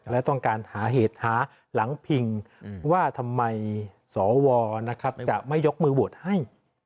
และต้องการหาเหตุหาหลังพิงว่าทำไมสวจะไม่ยกมือโหวตให้